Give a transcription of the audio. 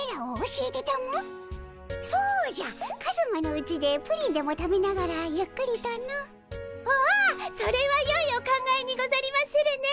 そうじゃカズマのうちでプリンでも食べながらゆっくりとの。おおそれはよいお考えにござりまするね。